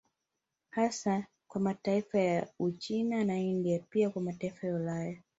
Hasa kwa mataifa ya Uchina na India pia kwa mataifa ya Ulaya